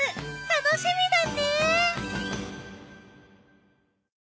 楽しみだね！